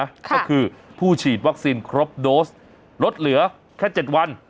ก็คือผู้ฉีดวัคซีนครบโดสลดเหลือแค่๗วัน